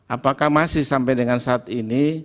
apakah masih sampai dengan saat ini